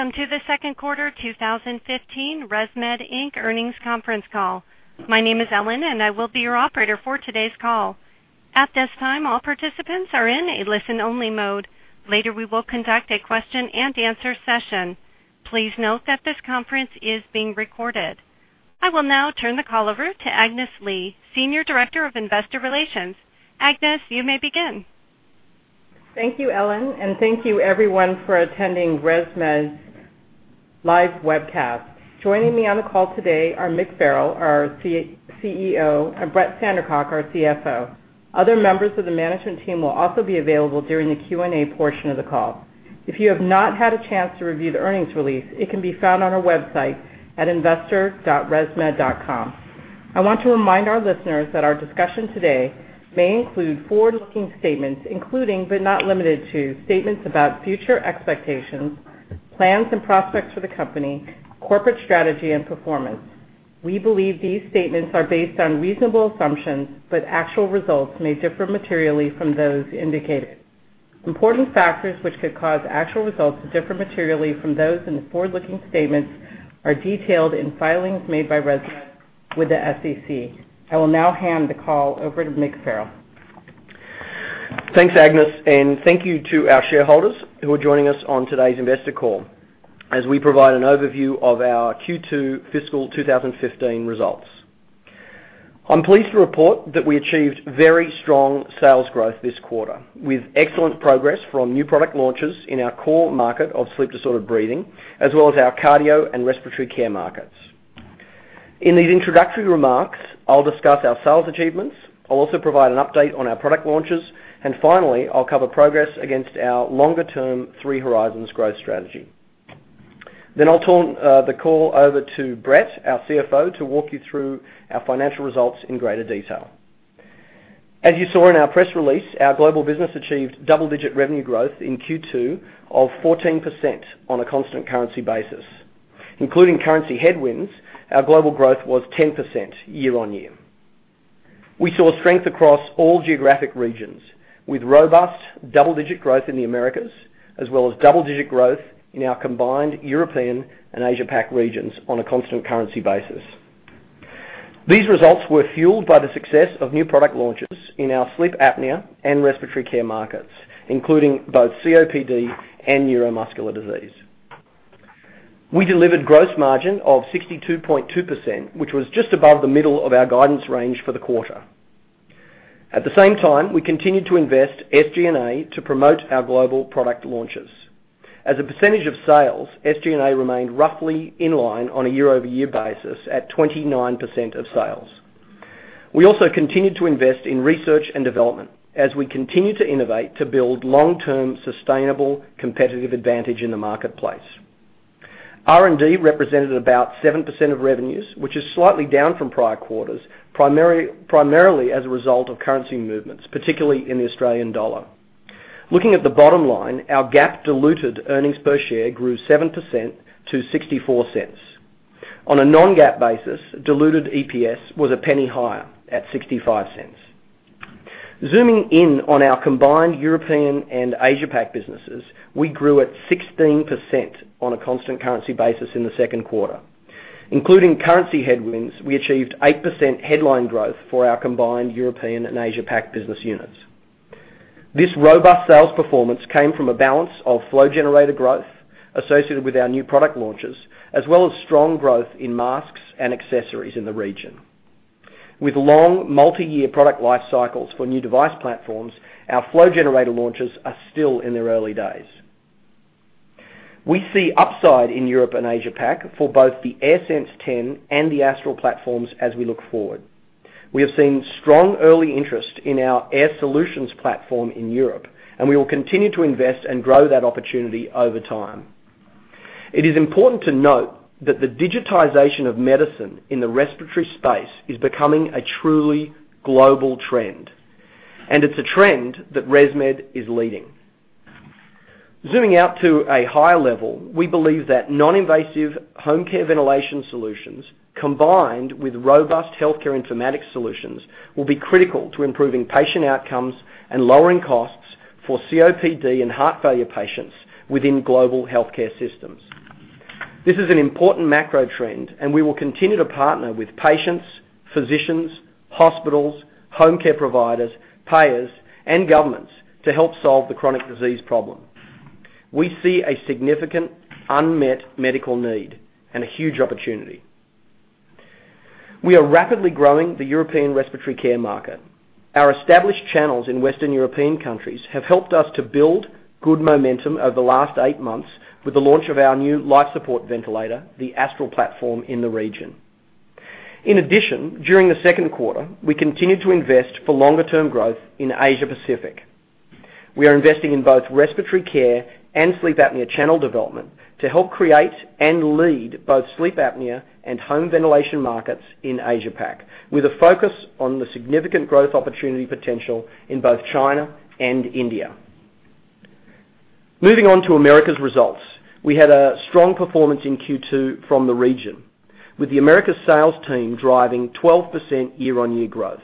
Welcome to the second quarter 2015 ResMed Inc. earnings conference call. My name is Ellen, and I will be your operator for today's call. At this time, all participants are in a listen-only mode. Later, we will conduct a question and answer session. Please note that this conference is being recorded. I will now turn the call over to Agnes Lee, Senior Director, Investor Relations. Agnes, you may begin. Thank you, Ellen. Thank you everyone for attending ResMed's live webcast. Joining me on the call today are Mick Farrell, our CEO, and Brett Sandercock, our CFO. Other members of the management team will also be available during the Q&A portion of the call. If you have not had a chance to review the earnings release, it can be found on our website at investor.resmed.com. I want to remind our listeners that our discussion today may include forward-looking statements including but not limited to, statements about future expectations, plans and prospects for the company, corporate strategy and performance. We believe these statements are based on reasonable assumptions. Actual results may differ materially from those indicated. Important factors which could cause actual results to differ materially from those in the forward-looking statements are detailed in filings made by ResMed with the SEC. I will now hand the call over to Mick Farrell. Thanks, Agnes. Thank you to our shareholders who are joining us on today's investor call as we provide an overview of our Q2 fiscal 2015 results. I'm pleased to report that we achieved very strong sales growth this quarter, with excellent progress from new product launches in our core market of sleep-disordered breathing, as well as our cardio and respiratory care markets. In these introductory remarks, I'll discuss our sales achievements. I'll also provide an update on our product launches. Finally, I'll cover progress against our longer-term Three Horizons growth strategy. I'll turn the call over to Brett, our CFO, to walk you through our financial results in greater detail. As you saw in our press release, our global business achieved double-digit revenue growth in Q2 of 14% on a constant currency basis. Including currency headwinds, our global growth was 10% year-on-year. We saw strength across all geographic regions, with robust double-digit growth in the Americas, as well as double-digit growth in our combined European and Asia Pac regions on a constant currency basis. These results were fueled by the success of new product launches in our sleep apnea and respiratory care markets, including both COPD and neuromuscular disease. We delivered gross margin of 62.2%, which was just above the middle of our guidance range for the quarter. At the same time, we continued to invest SG&A to promote our global product launches. As a percentage of sales, SG&A remained roughly in line on a year-over-year basis at 29% of sales. We also continued to invest in research and development as we continue to innovate to build long-term sustainable competitive advantage in the marketplace. R&D represented about 7% of revenues, which is slightly down from prior quarters, primarily as a result of currency movements, particularly in the Australian dollar. Looking at the bottom line, our GAAP diluted earnings per share grew 7% to $0.64. On a non-GAAP basis, diluted EPS was a penny higher at $0.65. Zooming in on our combined European and Asia Pac businesses, we grew at 16% on a constant currency basis in the second quarter. Including currency headwinds, we achieved 8% headline growth for our combined European and Asia Pac business units. This robust sales performance came from a balance of flow generator growth associated with our new product launches, as well as strong growth in masks and accessories in the region. With long multi-year product life cycles for new device platforms, our flow generator launches are still in their early days. We see upside in Europe and Asia Pac for both the AirSense 10 and the Astral platforms as we look forward. We have seen strong early interest in our Air Solutions platform in Europe, and we will continue to invest and grow that opportunity over time. It is important to note that the digitization of medicine in the respiratory space is becoming a truly global trend, and it's a trend that ResMed is leading. Zooming out to a higher level, we believe that non-invasive home care ventilation solutions, combined with robust healthcare informatics solutions, will be critical to improving patient outcomes and lowering costs for COPD and heart failure patients within global healthcare systems. This is an important macro trend, and we will continue to partner with patients, physicians, hospitals, home care providers, payers, and governments to help solve the chronic disease problem. We see a significant unmet medical need and a huge opportunity. We are rapidly growing the European respiratory care market. Our established channels in Western European countries have helped us to build good momentum over the last eight months with the launch of our new life support ventilator, the Astral platform, in the region. In addition, during the second quarter, we continued to invest for longer-term growth in Asia Pacific. We are investing in both respiratory care and sleep apnea channel development to help create and lead both sleep apnea and home ventilation markets in Asia Pac, with a focus on the significant growth opportunity potential in both China and India. Moving on to America's results. We had a strong performance in Q2 from the region, with the America sales team driving 12% year-on-year growth.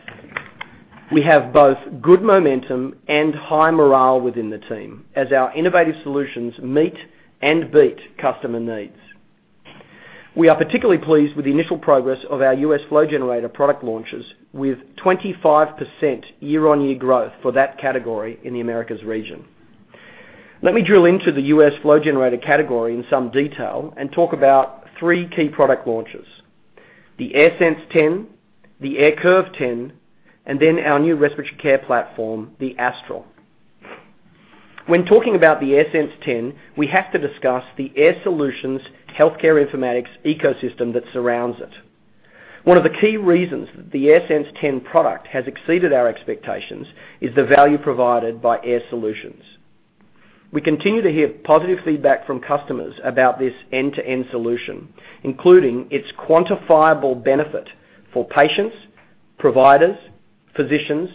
We have both good momentum and high morale within the team, as our innovative solutions meet and beat customer needs. We are particularly pleased with the initial progress of our U.S. flow generator product launches, with 25% year-on-year growth for that category in the Americas region. Let me drill into the U.S. flow generator category in some detail and talk about three key product launches: the AirSense 10, the AirCurve 10, and then our new respiratory care platform, the Astral. When talking about the AirSense 10, we have to discuss the Air Solutions healthcare informatics ecosystem that surrounds it. One of the key reasons that the AirSense 10 product has exceeded our expectations is the value provided by Air Solutions. We continue to hear positive feedback from customers about this end-to-end solution, including its quantifiable benefit for patients, providers, physicians,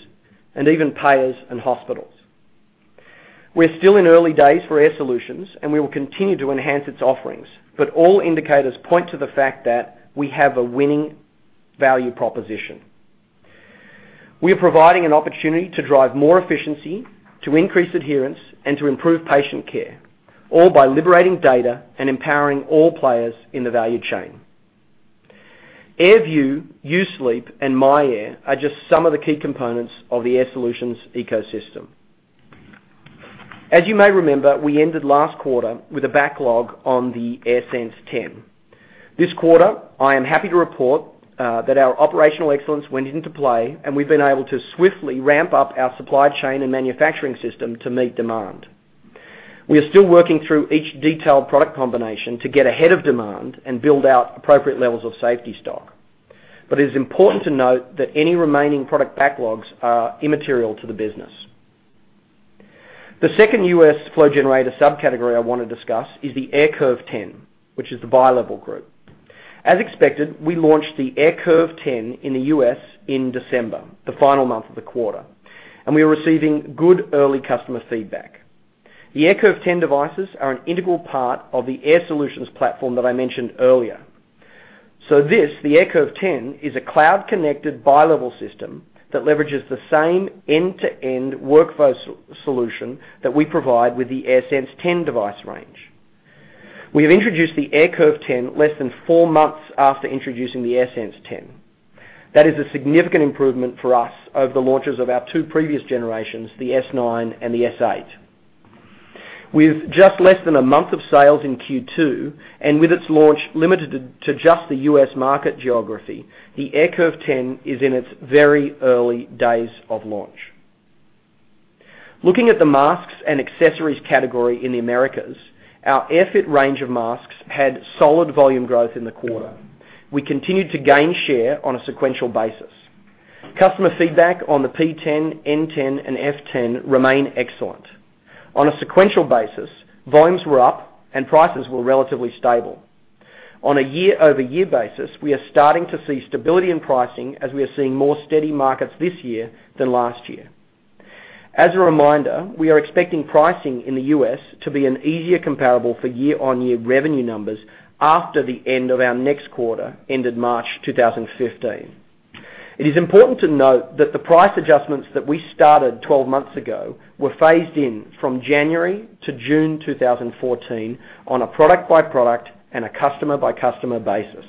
and even payers and hospitals. We're still in early days for Air Solutions, and we will continue to enhance its offerings, but all indicators point to the fact that we have a winning value proposition. We are providing an opportunity to drive more efficiency, to increase adherence, and to improve patient care, all by liberating data and empowering all players in the value chain. AirView, U-Sleep, and myAir are just some of the key components of the Air Solutions ecosystem. As you may remember, we ended last quarter with a backlog on the AirSense 10. This quarter, I am happy to report that our operational excellence went into play, and we've been able to swiftly ramp up our supply chain and manufacturing system to meet demand. We are still working through each detailed product combination to get ahead of demand and build out appropriate levels of safety stock. It is important to note that any remaining product backlogs are immaterial to the business. The second U.S. flow generator subcategory I want to discuss is the AirCurve 10, which is the bilevel group. As expected, we launched the AirCurve 10 in the U.S. in December, the final month of the quarter, and we are receiving good early customer feedback. The AirCurve 10 devices are an integral part of the Air Solutions platform that I mentioned earlier. This, the AirCurve 10, is a cloud-connected bilevel system that leverages the same end-to-end workflow solution that we provide with the AirSense 10 device range. We have introduced the AirCurve 10 less than four months after introducing the AirSense 10. That is a significant improvement for us over the launches of our two previous generations, the S9 and the S8. With just less than a month of sales in Q2, and with its launch limited to just the U.S. market geography, the AirCurve 10 is in its very early days of launch. Looking at the masks and accessories category in the Americas, our AirFit range of masks had solid volume growth in the quarter. We continued to gain share on a sequential basis. Customer feedback on the P10, N10, and F10 remain excellent. On a sequential basis, volumes were up, and prices were relatively stable. On a year-over-year basis, we are starting to see stability in pricing as we are seeing more steady markets this year than last year. As a reminder, we are expecting pricing in the U.S. to be an easier comparable for year-on-year revenue numbers after the end of our next quarter, ended March 2015. It is important to note that the price adjustments that we started 12 months ago were phased in from January to June 2014 on a product-by-product and a customer-by-customer basis.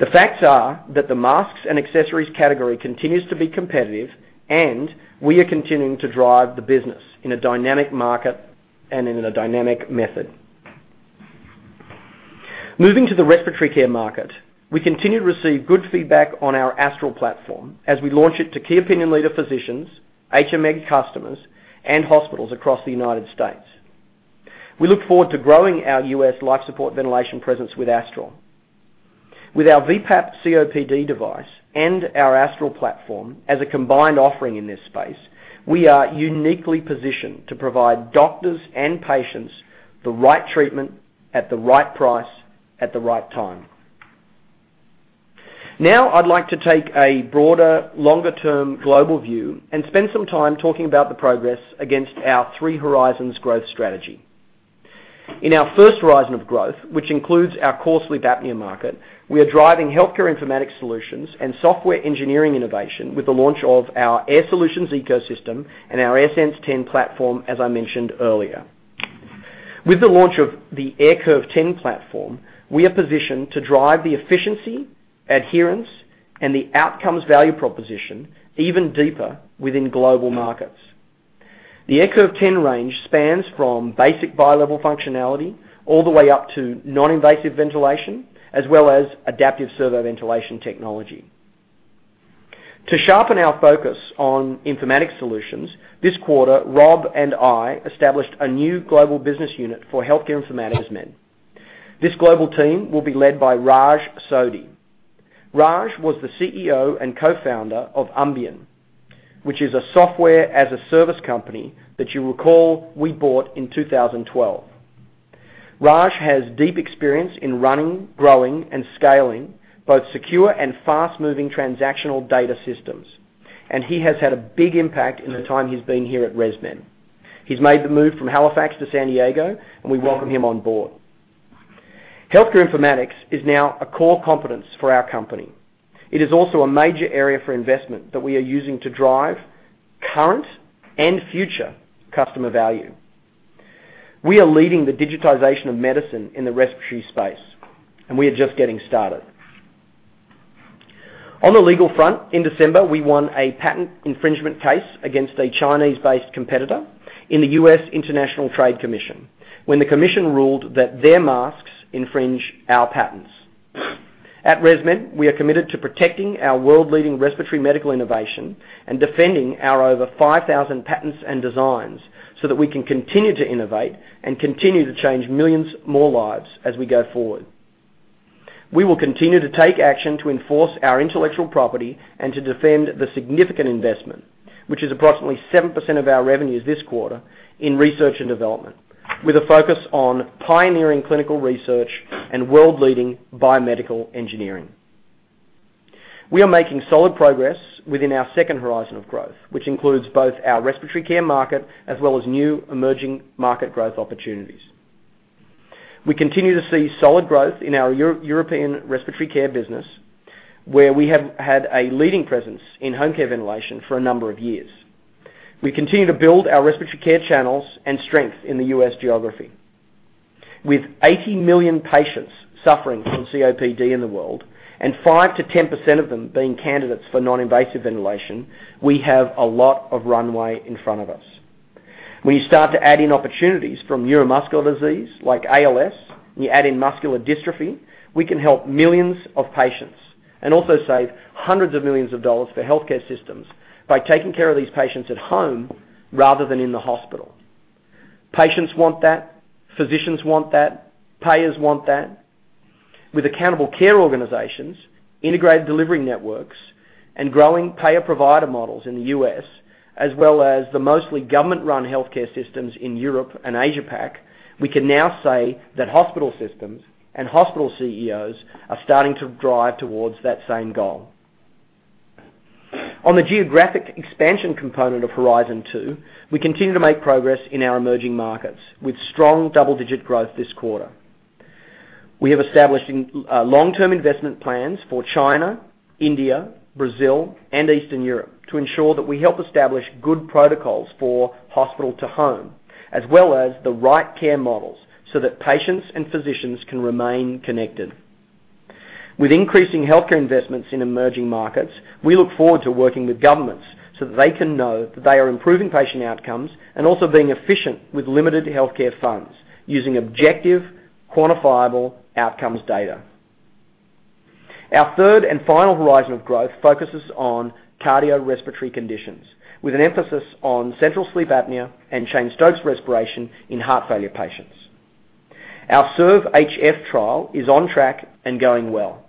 The facts are that the masks and accessories category continues to be competitive, and we are continuing to drive the business in a dynamic market and in a dynamic method. Moving to the respiratory care market, we continue to receive good feedback on our Astral platform as we launch it to key opinion leader physicians, HME customers, and hospitals across the U.S. We look forward to growing our U.S. life support ventilation presence with Astral. With our VPAP COPD device and our Astral platform as a combined offering in this space, we are uniquely positioned to provide doctors and patients the right treatment at the right price at the right time. Now I'd like to take a broader, longer-term global view and spend some time talking about the progress against our Three Horizons growth strategy. In our first horizon of growth, which includes our core sleep apnea market, we are driving Healthcare Informatics solutions and software engineering innovation with the launch of our Air Solutions ecosystem and our AirSense 10 platform, as I mentioned earlier. With the launch of the AirCurve 10 platform, we are positioned to drive the efficiency, adherence, and the outcomes value proposition even deeper within global markets. The AirCurve 10 range spans from basic bilevel functionality all the way up to non-invasive ventilation, as well as adaptive servo-ventilation technology. To sharpen our focus on informatics solutions, this quarter, Rob and I established a new global business unit for Healthcare Informatics. This global team will be led by Raj Sodhi. Raj was the CEO and co-founder of Umbian, which is a software-as-a-service company that you recall we bought in 2012. Raj has deep experience in running, growing, and scaling both secure and fast-moving transactional data systems, he has had a big impact in the time he's been here at ResMed. He's made the move from Halifax to San Diego, and we welcome him on board. Healthcare Informatics is now a core competence for our company. It is also a major area for investment that we are using to drive current and future customer value. We are leading the digitization of medicine in the respiratory space, we are just getting started. On the legal front, in December, we won a patent infringement case against a Chinese-based competitor in the U.S. International Trade Commission when the commission ruled that their masks infringe our patents. At ResMed, we are committed to protecting our world-leading respiratory medical innovation and defending our over 5,000 patents and designs so that we can continue to innovate and continue to change millions more lives as we go forward. We will continue to take action to enforce our intellectual property and to defend the significant investment, which is approximately 7% of our revenues this quarter, in research and development, with a focus on pioneering clinical research and world-leading biomedical engineering. We are making solid progress within our second horizon of growth, which includes both our respiratory care market as well as new emerging market growth opportunities. We continue to see solid growth in our European respiratory care business, where we have had a leading presence in home care ventilation for a number of years. We continue to build our respiratory care channels and strength in the U.S. geography. With 80 million patients suffering from COPD in the world and 5%-10% of them being candidates for non-invasive ventilation, we have a lot of runway in front of us. When you start to add in opportunities from neuromuscular disease like ALS, and you add in muscular dystrophy, we can help millions of patients and also save hundreds of millions of dollars for healthcare systems by taking care of these patients at home rather than in the hospital. Patients want that. Physicians want that. Payers want that. With accountable care organizations, integrated delivery networks, and growing payer provider models in the U.S., as well as the mostly government-run healthcare systems in Europe and Asia-Pac, we can now say that hospital systems and hospital CEOs are starting to drive towards that same goal. On the geographic expansion component of Horizon II, we continue to make progress in our emerging markets, with strong double-digit growth this quarter. We have established long-term investment plans for China, India, Brazil, and Eastern Europe to ensure that we help establish good protocols for hospital-to-home, as well as the right care models so that patients and physicians can remain connected. With increasing healthcare investments in emerging markets, we look forward to working with governments so that they can know that they are improving patient outcomes and also being efficient with limited healthcare funds, using objective, quantifiable outcomes data. Our third and final horizon of growth focuses on cardiorespiratory conditions, with an emphasis on central sleep apnea and Cheyne-Stokes respiration in heart failure patients. Our SERVE-HF trial is on track and going well.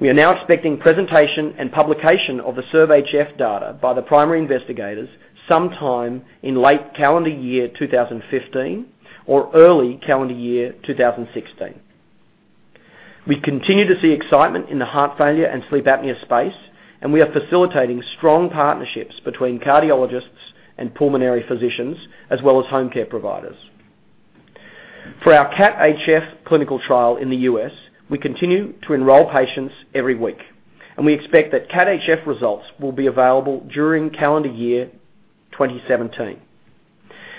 We are now expecting presentation and publication of the SERVE-HF data by the primary investigators sometime in late calendar year 2015 or early calendar year 2016. We continue to see excitement in the heart failure and sleep apnea space, and we are facilitating strong partnerships between cardiologists and pulmonary physicians, as well as home care providers. For our CAT-HF clinical trial in the U.S., we continue to enroll patients every week, and we expect that CAT-HF results will be available during calendar year 2017.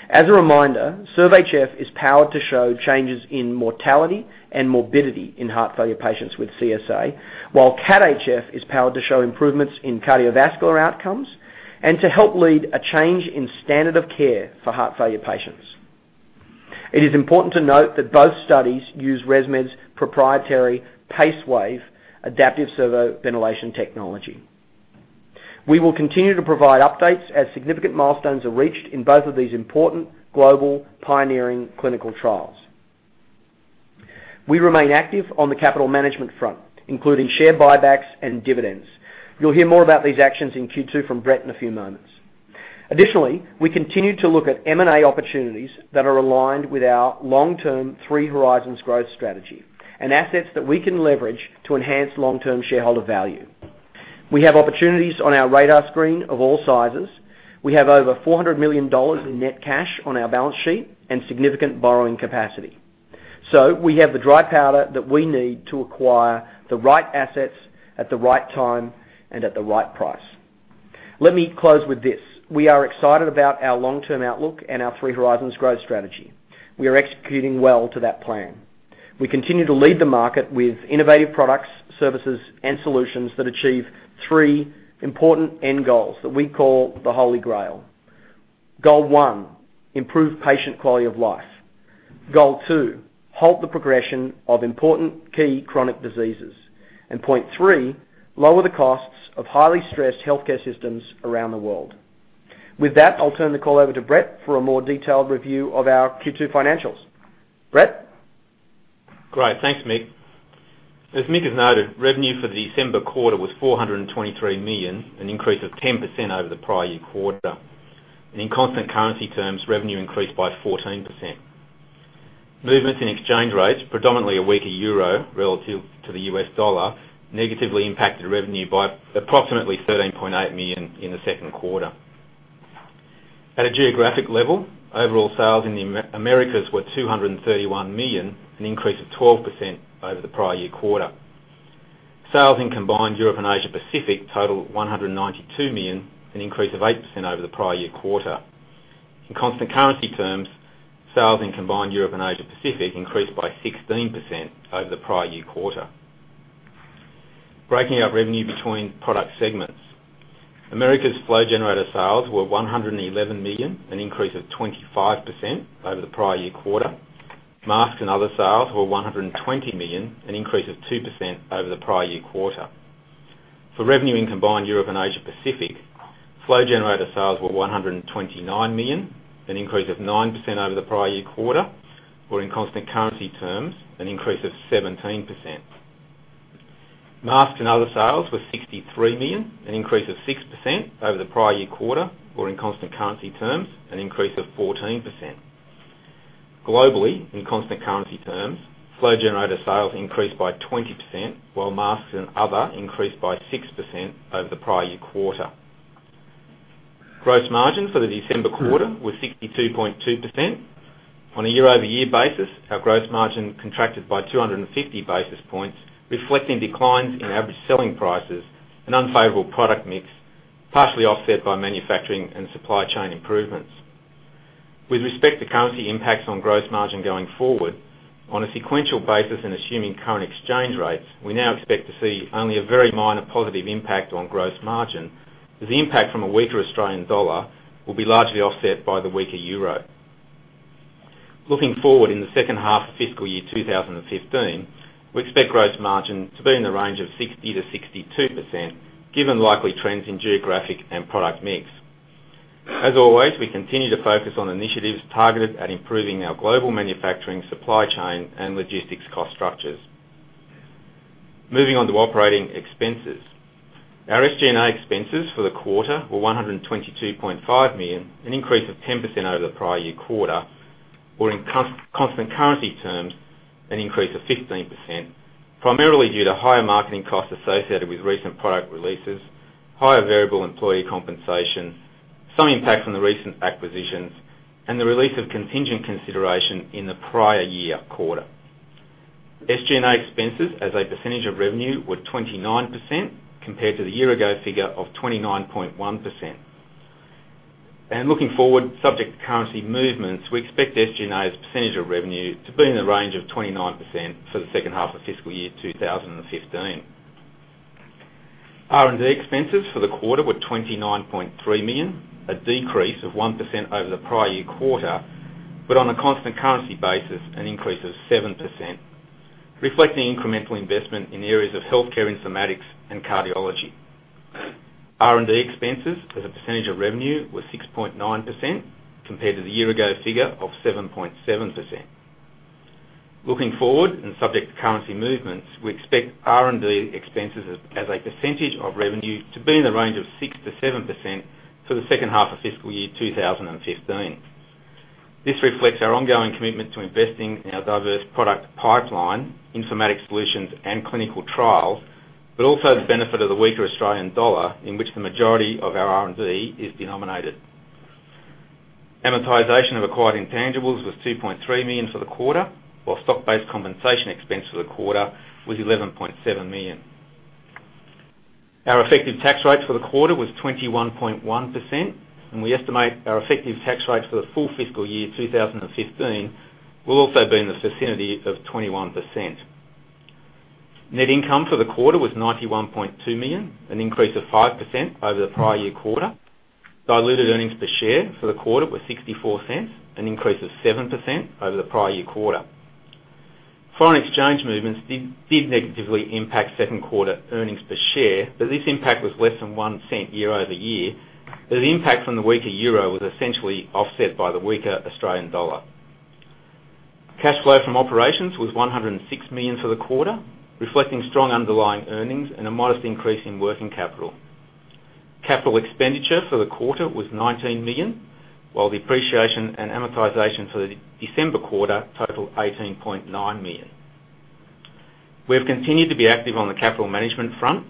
As a reminder, SERVE-HF is powered to show changes in mortality and morbidity in heart failure patients with CSA, while CAT-HF is powered to show improvements in cardiovascular outcomes and to help lead a change in standard of care for heart failure patients. It is important to note that both studies use ResMed's proprietary PaceWave adaptive servo-ventilation technology. We will continue to provide updates as significant milestones are reached in both of these important global pioneering clinical trials. We remain active on the capital management front, including share buybacks and dividends. You'll hear more about these actions in Q2 from Brett in a few moments. Additionally, we continue to look at M&A opportunities that are aligned with our long-term Three Horizons growth strategy and assets that we can leverage to enhance long-term shareholder value. We have opportunities on our radar screen of all sizes. We have over $400 million in net cash on our balance sheet and significant borrowing capacity. We have the dry powder that we need to acquire the right assets at the right time and at the right price. Let me close with this. We are excited about our long-term outlook and our Three Horizons growth strategy. We are executing well to that plan. We continue to lead the market with innovative products, services, and solutions that achieve three important end goals that we call the Holy Grail. Goal one, improve patient quality of life. Goal two, halt the progression of important key chronic diseases. Point three, lower the costs of highly stressed healthcare systems around the world. With that, I'll turn the call over to Brett for a more detailed review of our Q2 financials. Brett? Great. Thanks, Mick. As Mick has noted, revenue for the December quarter was $423 million, an increase of 10% over the prior year quarter. In constant currency terms, revenue increased by 14%. Movements in exchange rates, predominantly a weaker EUR relative to the US dollar, negatively impacted revenue by approximately $13.8 million in the second quarter. At a geographic level, overall sales in the Americas were $231 million, an increase of 12% over the prior year quarter. Sales in combined Europe and Asia Pacific totaled $192 million, an increase of 8% over the prior year quarter. In constant currency terms, sales in combined Europe and Asia Pacific increased by 16% over the prior year quarter. Breaking our revenue between product segments. Americas flow generator sales were $111 million, an increase of 25% over the prior year quarter. Masks and other sales were $120 million, an increase of 2% over the prior year quarter. For revenue in combined Europe and Asia Pacific, flow generator sales were $129 million, an increase of 9% over the prior year quarter, or in constant currency terms, an increase of 17%. Masks and other sales were $63 million, an increase of 6% over the prior year quarter, or in constant currency terms, an increase of 14%. Globally, in constant currency terms, flow generator sales increased by 20%, while masks and other increased by 6% over the prior year quarter. Gross margin for the December quarter was 62.2%. On a year-over-year basis, our gross margin contracted by 250 basis points, reflecting declines in average selling prices and unfavorable product mix, partially offset by manufacturing and supply chain improvements. With respect to currency impacts on gross margin going forward, on a sequential basis and assuming current exchange rates, we now expect to see only a very minor positive impact on gross margin, as the impact from a weaker AUD will be largely offset by the weaker EUR. Looking forward in the second half of fiscal year 2015, we expect gross margin to be in the range of 60%-62%, given likely trends in geographic and product mix. As always, we continue to focus on initiatives targeted at improving our global manufacturing supply chain and logistics cost structures. Moving on to operating expenses. Our SG&A expenses for the quarter were $122.5 million, an increase of 10% over the prior year quarter. In constant currency terms, an increase of 15%, primarily due to higher marketing costs associated with recent product releases, higher variable employee compensation, some impact from the recent acquisitions, and the release of contingent consideration in the prior year quarter. SG&A expenses as a percentage of revenue were 29%, compared to the year ago figure of 29.1%. Looking forward, subject to currency movements, we expect SG&A as a percentage of revenue to be in the range of 29% for the second half of fiscal year 2015. R&D expenses for the quarter were $29.3 million, a decrease of 1% over the prior year quarter, but on a constant currency basis, an increase of 7%, reflecting incremental investment in areas of Healthcare Informatics and cardiology. R&D expenses as a percentage of revenue were 6.9%, compared to the year ago figure of 7.7%. Looking forward, and subject to currency movements, we expect R&D expenses as a percentage of revenue to be in the range of 6%-7% for the second half of fiscal year 2015. This reflects our ongoing commitment to investing in our diverse product pipeline, informatics solutions, and clinical trials, but also the benefit of the weaker Australian dollar, in which the majority of our R&D is denominated. Amortization of acquired intangibles was $2.3 million for the quarter. While stock-based compensation expense for the quarter was $11.7 million. Our effective tax rate for the quarter was 21.1%, and we estimate our effective tax rate for the full fiscal year 2015 will also be in the vicinity of 21%. Net income for the quarter was $91.2 million, an increase of 5% over the prior year quarter. Diluted earnings per share for the quarter were $0.64, an increase of 7% over the prior year quarter. Foreign exchange movements did negatively impact second quarter earnings per share, but this impact was less than $0.01 year-over-year, as the impact from the weaker euro was essentially offset by the weaker Australian dollar. Cash flow from operations was $106 million for the quarter, reflecting strong underlying earnings and a modest increase in working capital. Capital expenditure for the quarter was $19 million, while depreciation and amortization for the December quarter totaled $18.9 million. We have continued to be active on the capital management front.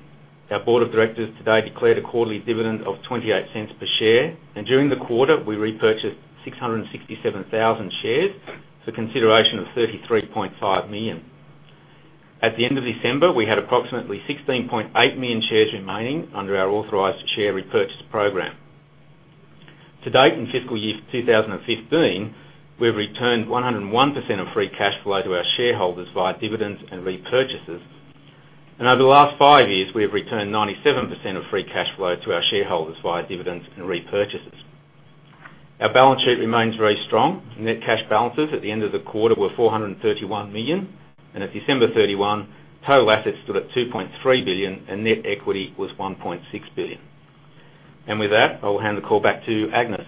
Our board of directors today declared a quarterly dividend of $0.28 per share, and during the quarter, we repurchased 667,000 shares for consideration of $33.5 million. At the end of December, we had approximately 16.8 million shares remaining under our authorized share repurchase program. To date, in fiscal year 2015, we have returned 101% of free cash flow to our shareholders via dividends and repurchases. Over the last five years, we have returned 97% of free cash flow to our shareholders via dividends and repurchases. Our balance sheet remains very strong. Net cash balances at the end of the quarter were $431 million, and at December 31, total assets stood at $2.3 billion and net equity was $1.6 billion. With that, I will hand the call back to Agnes.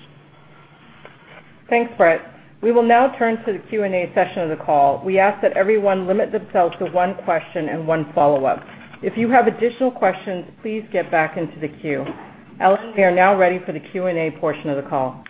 Thanks, Brett. We will now turn to the Q&A session of the call. We ask that everyone limit themselves to one question and one follow-up. If you have additional questions, please get back into the queue. Ellen, we are now ready for the Q&A portion of the call.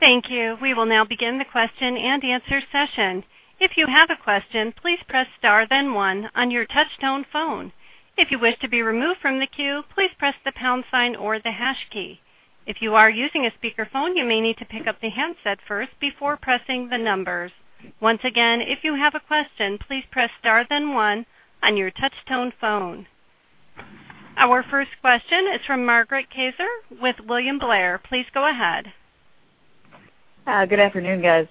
Thank you. We will now begin the question and answer session. If you have a question, please press star then one on your touch tone phone. If you wish to be removed from the queue, please press the pound sign or the hash key. If you are using a speakerphone, you may need to pick up the handset first before pressing the numbers. Once again, if you have a question, please press star then one on your touch tone phone. Our first question is from Margaret Kaczor with William Blair. Please go ahead. Good afternoon, guys.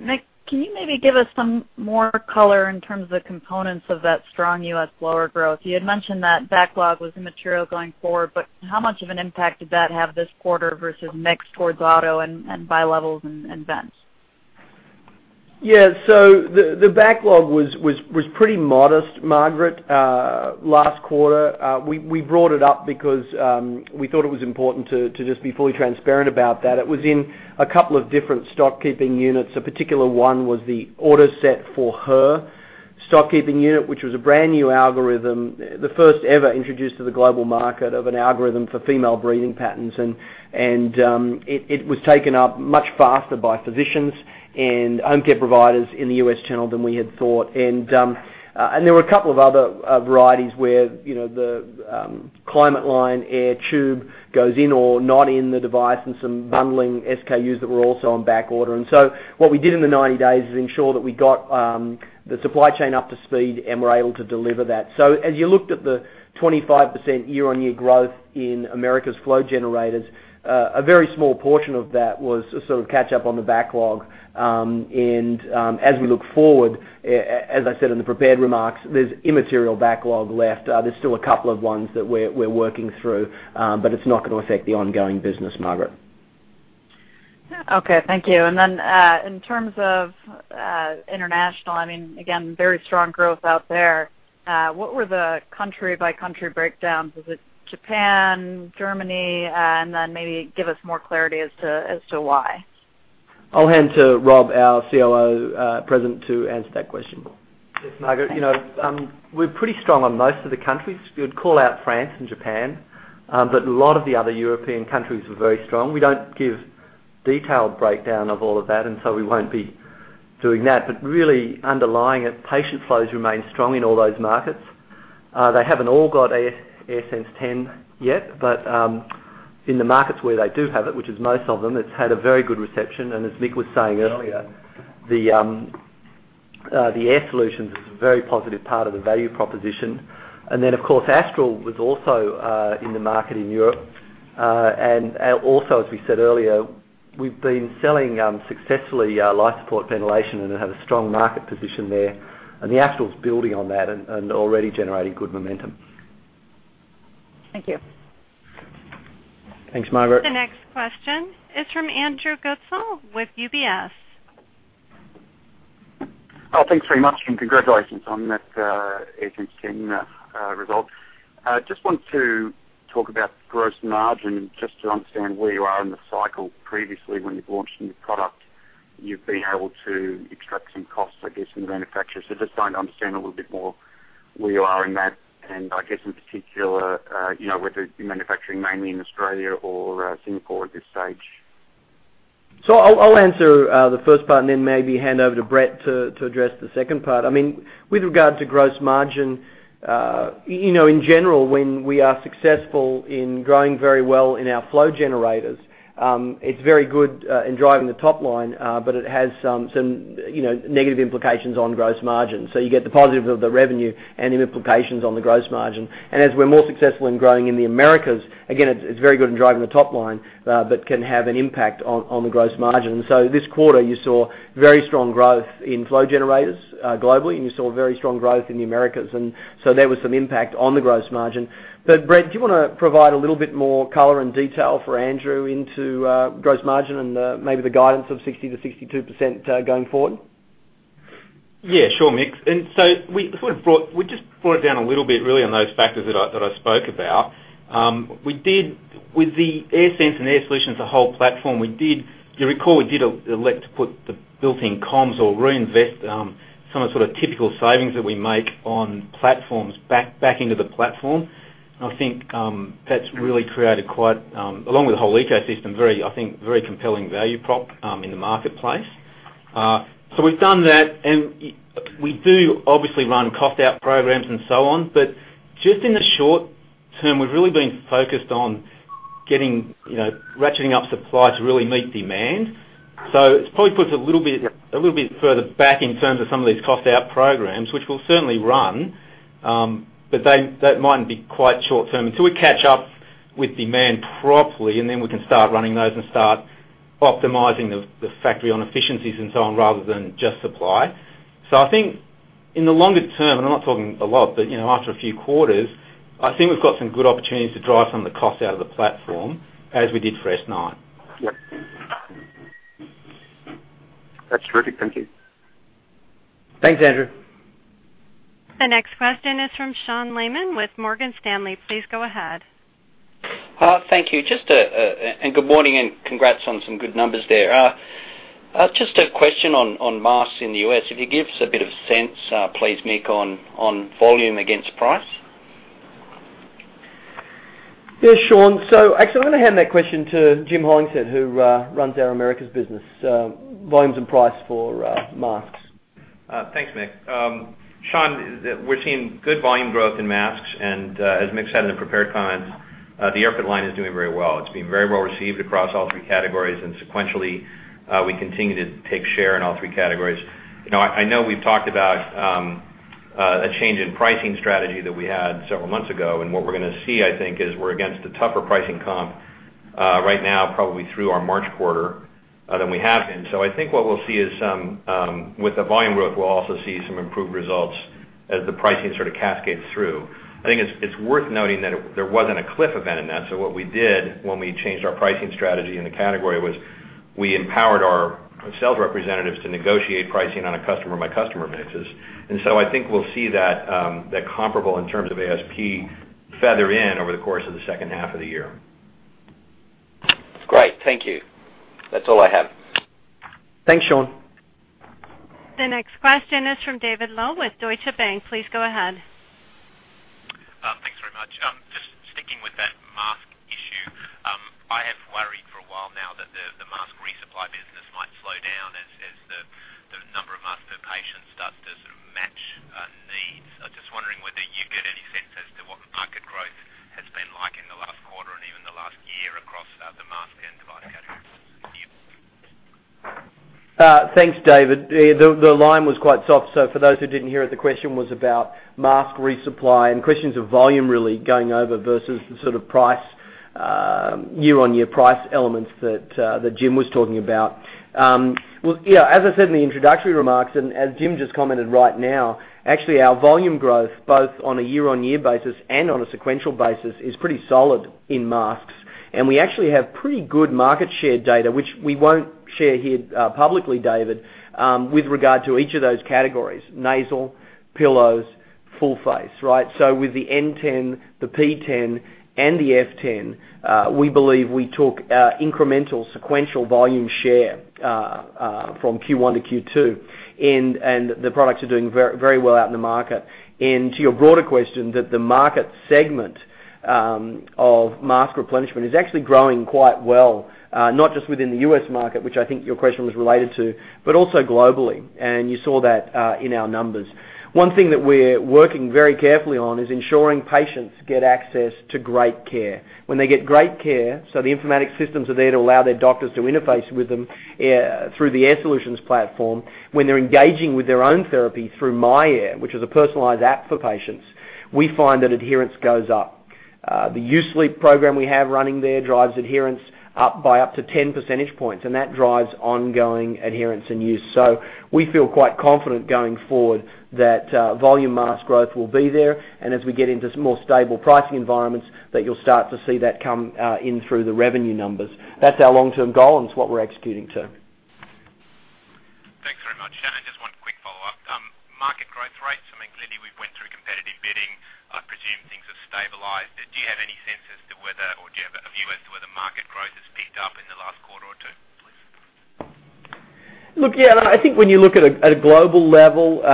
Mick, can you maybe give us some more color in terms of components of that strong U.S. lower growth? You had mentioned that backlog was immaterial going forward, but how much of an impact did that have this quarter versus mix towards auto and bilevels and vents? Yeah. The backlog was pretty modest, Margaret, last quarter. We brought it up because we thought it was important to just be fully transparent about that. It was in a couple of different stock keeping units. A particular one was the AutoSet for Her stock keeping unit, which was a brand new algorithm, the first ever introduced to the global market of an algorithm for female breathing patterns. It was taken up much faster by physicians and home care providers in the U.S. channel than we had thought. There were a couple of other varieties where the ClimateLine air tube goes in or not in the device, and some bundling SKUs that were also on backorder. What we did in the 90 days is ensure that we got the supply chain up to speed, and we're able to deliver that. As you looked at the 25% year-on-year growth in Americas flow generators, a very small portion of that was sort of catch up on the backlog. As we look forward, as I said in the prepared remarks, there's immaterial backlog left. There's still a couple of ones that we're working through, but it's not going to affect the ongoing business, Margaret. Okay, thank you. In terms of international, again, very strong growth out there. What were the country by country breakdowns? Was it Japan, Germany? Maybe give us more clarity as to why. I'll hand to Rob, our COO present, to answer that question. Yes, Margaret. Thanks. We're pretty strong on most of the countries. You'd call out France and Japan. A lot of the other European countries were very strong. We don't give detailed breakdown of all of that, we won't be doing that. Really underlying it, patient flows remain strong in all those markets. They haven't all got AirSense 10 yet, but in the markets where they do have it, which is most of them, it's had a very good reception. As Mick was saying earlier, the Air Solutions is a very positive part of the value proposition. Of course, Astral was also in the market in Europe. Also, as we said earlier, we've been selling successfully life support ventilation and have a strong market position there. The Astral's building on that and already generating good momentum. Thank you. Thanks, Margaret. The next question is from Andrew Goodsall with UBS. Thanks very much and congratulations on that AirSense 10 result. Just want to talk about gross margin and just to understand where you are in the cycle. Previously, when you've launched a new product, you've been able to extract some costs, I guess, from the manufacturer. Just trying to understand a little bit more where you are in that, and I guess in particular whether you're manufacturing mainly in Australia or Singapore at this stage. I'll answer the first part and then maybe hand over to Brett to address the second part. With regard to gross margin, in general, when we are successful in growing very well in our flow generators, it's very good in driving the top line, but it has some negative implications on gross margin. You get the positive of the revenue and the implications on the gross margin. As we're more successful in growing in the Americas, again, it's very good in driving the top line, but can have an impact on the gross margin. This quarter, you saw very strong growth in flow generators globally, and you saw very strong growth in the Americas, there was some impact on the gross margin. Brett, do you want to provide a little bit more color and detail for Andrew into gross margin and maybe the guidance of 60%-62% going forward? Yeah, sure, Mick. We just brought it down a little bit really on those factors that I spoke about. With the AirSense and Air Solutions, the whole platform, you'll recall we did elect to put the built-in comms or reinvest some of the sort of typical savings that we make on platforms back into the platform. I think that's really created quite, along with the whole ecosystem, I think very compelling value prop in the marketplace. We've done that, and we do obviously run cost out programs and so on. Just in the short term, we've really been focused on ratcheting up supply to really meet demand. It probably puts a little bit further back in terms of some of these cost out programs, which we'll certainly run, but that might be quite short term until we catch up with demand properly, and then we can start running those and start optimizing the factory on efficiencies and so on, rather than just supply. I think in the longer term, and I'm not talking a lot, but after a few quarters, I think we've got some good opportunities to drive some of the cost out of the platform as we did for S9. Yep. That's terrific. Thank you. Thanks, Andrew. The next question is from Sean Laaman with Morgan Stanley. Please go ahead. Thank you. Good morning, and congrats on some good numbers there. Just a question on masks in the U.S. If you give us a bit of sense, please, Mick, on volume against price? Yes, Sean. Actually, I'm going to hand that question to Jim Hollingshead, who runs our Americas business. Volumes and price for masks. Thanks, Mick. Sean, we're seeing good volume growth in masks, as Mick said in the prepared comments, the AirFit line is doing very well. It's being very well received across all 3 categories and sequentially, we continue to take share in all 3 categories. I know we've talked about a change in pricing strategy that we had several months ago. What we're going to see, I think, is we're against a tougher pricing comp right now, probably through our March quarter, than we have been. I think what we'll see is, with the volume growth, we'll also see some improved results as the pricing sort of cascades through. I think it's worth noting that there wasn't a cliff event in that. What we did when we changed our pricing strategy in the category was we empowered our sales representatives to negotiate pricing on a customer-by-customer basis. I think we'll see that comparable in terms of ASP feather in over the course of the second half of the year. Great. Thank you. That's all I have. Thanks, Shaun. The next question is from David Low with Deutsche Bank. Please go ahead. Thanks very much. Just sticking with that mask issue. I have worried for a while now that the mask resupply business might slow down as the number of masks per patient starts to sort of match needs. I'm just wondering whether you get any sense as to what the market growth has been like in the last quarter and even the last year across the mask and device categories. Thanks, David. The line was quite soft. For those who didn't hear it, the question was about mask resupply and questions of volume really going over versus the sort of year-on-year price elements that Jim was talking about. As I said in the introductory remarks and as Jim just commented right now, actually, our volume growth both on a year-on-year basis and on a sequential basis, is pretty solid in masks. We actually have pretty good market share data, which we won't share here publicly, David, with regard to each of those categories, nasal, pillows, full face, right? With the N10, the P10, and the F10, we believe we took incremental sequential volume share from Q1 to Q2, and the products are doing very well out in the market. To your broader question, that the market segment of mask replenishment is actually growing quite well, not just within the U.S. market, which I think your question was related to, but also globally. You saw that in our numbers. One thing that we're working very carefully on is ensuring patients get access to great care. When they get great care, the informatics systems are there to allow their doctors to interface with them through the Air Solutions platform. When they're engaging with their own therapy through myAir, which is a personalized app for patients, we find that adherence goes up. The U-Sleep program we have running there drives adherence up by up to 10 percentage points, that drives ongoing adherence and use. We feel quite confident going forward that volume mask growth will be there, and as we get into some more stable pricing environments, that you'll start to see that come in through the revenue numbers. That's our long-term goal, and it's what we're executing to. Thanks very much. Just one quick follow-up. Market growth rates, I mean, clearly we went through competitive bidding. I presume things have stabilized. Do you have any sense as to whether, or do you have a view as to whether market growth has picked up in the last quarter or two? Look, yeah. I think when you look at a global level,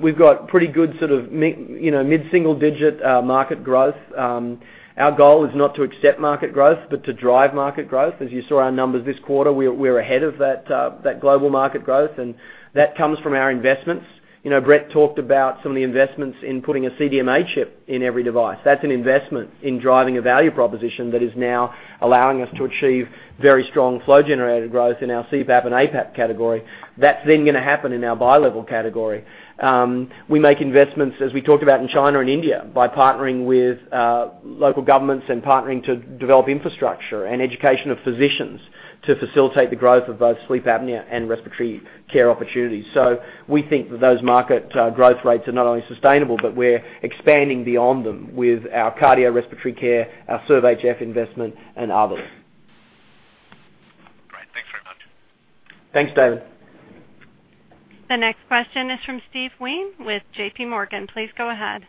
we've got pretty good sort of mid-single digit market growth. Our goal is not to accept market growth, but to drive market growth. As you saw our numbers this quarter, we're ahead of that global market growth, and that comes from our investments. Brett talked about some of the investments in putting a CDMA chip in every device. That's an investment in driving a value proposition that is now allowing us to achieve very strong flow-generated growth in our CPAP and APAP category. That's then going to happen in our bilevel category. We make investments, as we talked about in China and India, by partnering with local governments and partnering to develop infrastructure and education of physicians to facilitate the growth of both sleep apnea and respiratory care opportunities. We think that those market growth rates are not only sustainable, but we're expanding beyond them with our cardio respiratory care, our SERVE-HF investment, and others. Great. Thanks very much. Thanks, David. The next question is from Steve Wheen with JPMorgan. Please go ahead.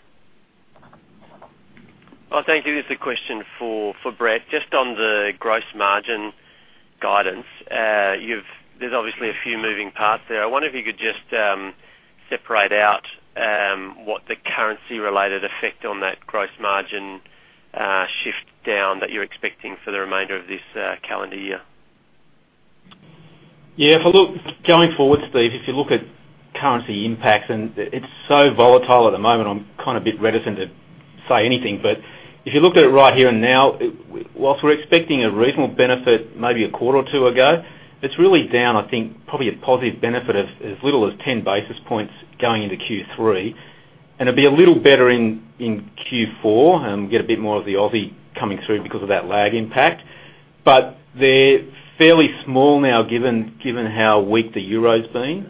Thank you. This is a question for Brett. Just on the gross margin guidance. There's obviously a few moving parts there. I wonder if you could just separate out what the currency related effect on that gross margin shift down that you're expecting for the remainder of this calendar year. If you look going forward, Steve, if you look at currency impacts, it's so volatile at the moment, I'm kind of a bit reticent to say anything. If you look at it right here and now, whilst we're expecting a reasonable benefit maybe a quarter or two ago, it's really down, I think, probably a positive benefit of as little as 10 basis points going into Q3. It'll be a little better in Q4, and we'll get a bit more of the Aussie coming through because of that lag impact. They're fairly small now given how weak the euro's been.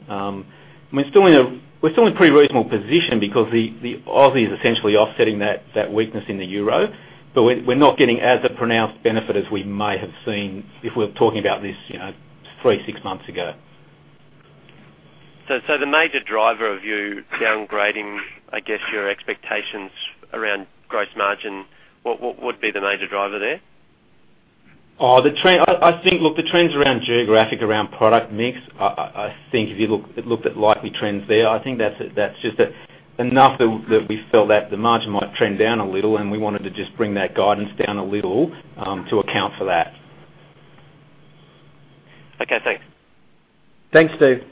We're still in a pretty reasonable position because the Aussie is essentially offsetting that weakness in the euro, but we're not getting as a pronounced benefit as we may have seen if we were talking about this three, six months ago. The major driver of you downgrading, I guess, your expectations around gross margin, what would be the major driver there? The trends around geographic, around product mix, I think if you looked at likely trends there, I think that's just enough that we felt that the margin might trend down a little, and we wanted to just bring that guidance down a little to account for that. Okay, thanks. Thanks, Steve.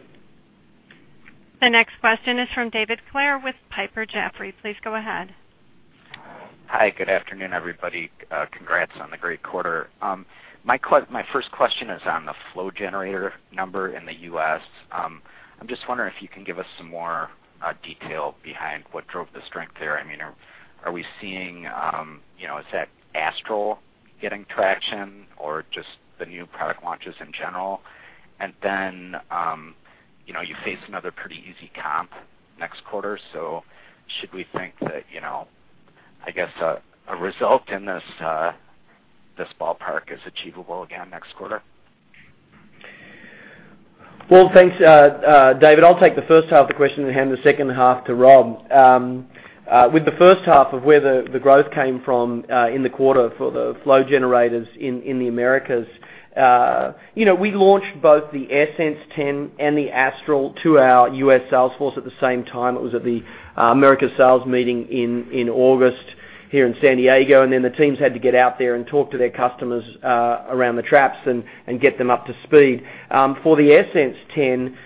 The next question is from David Clair with Piper Jaffray. Please go ahead. Hi. Good afternoon, everybody. Congrats on the great quarter. My first question is on the flow generator number in the U.S. I'm just wondering if you can give us some more detail behind what drove the strength there. Is that Astral getting traction or just the new product launches in general? You face another pretty easy comp next quarter, so should we think that, I guess, a result in this ballpark is achievable again next quarter? Well, thanks, David. I'll take the first half of the question and hand the second half to Rob. With the first half of where the growth came from in the quarter for the flow generators in the Americas. We launched both the AirSense 10 and the Astral to our U.S. sales force at the same time. It was at the Americas sales meeting in August here in San Diego. The teams had to get out there and talk to their customers around the traps and get them up to speed. For the AirSense 10,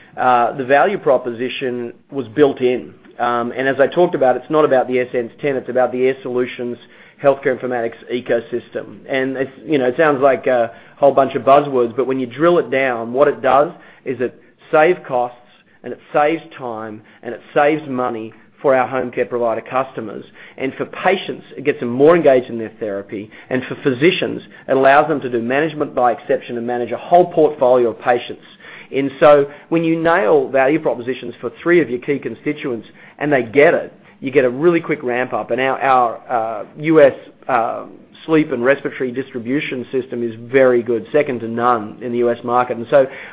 the value proposition was built in. As I talked about, it's not about the AirSense 10, it's about the Air Solutions healthcare informatics ecosystem. It sounds like a whole bunch of buzzwords, but when you drill it down, what it does is it saves costs, and it saves time, and it saves money for our home care provider customers. For patients, it gets them more engaged in their therapy. For physicians, it allows them to do management by exception and manage a whole portfolio of patients. When you nail value propositions for three of your key constituents and they get it, you get a really quick ramp-up. Our U.S. sleep and respiratory distribution system is very good, second to none in the U.S. market.